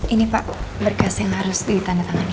ini pak berkas yang harus ditandatangani